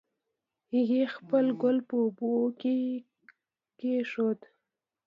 هغې خپل ګل په اوبو کې کېښود